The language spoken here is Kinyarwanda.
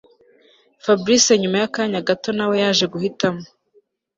Fabric nyuma yakanya gato nawe yaje guhitamo